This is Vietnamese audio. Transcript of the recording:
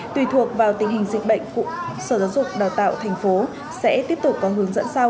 tùy thuộc vào tình hình dịch bệnh sở giáo dục và đào tạo tp sẽ tiếp tục có hướng dẫn sau